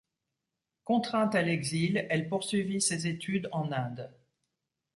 Contrainte à l'exil, elle poursuivit ses études en Inde.